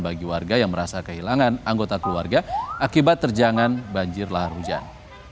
bagi warga yang merasa kehilangan anggota keluarga akibat terjangan banjir lahar hujan